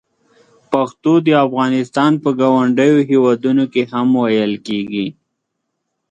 پښتو د افغانستان په ګاونډیو هېوادونو کې هم ویل کېږي.